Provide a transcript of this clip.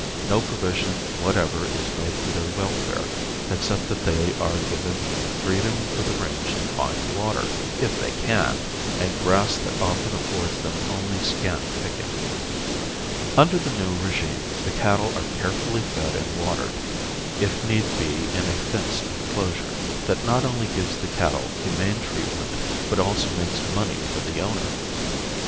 No provision whatever is made for their welfare, except that they are given the freedom of the range to find water, if they can, and grass that often affords them only scant picking. Under the new regime the cattle are carefully fed and watered, if need be in a fenced enclosure, that not only gives the cattle humane treatment but also makes money for the owner.